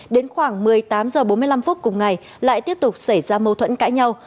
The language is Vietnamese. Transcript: đến khoảng một mươi tám h bốn mươi năm phút cùng ngày lại tiếp tục xảy ra mâu thuẫn cãi nhau